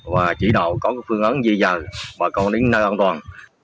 và chỉ đạo có phương án di rời và cầu đến nơi an toàn